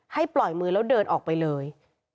ปล่อยมือแล้วเดินออกไปเลย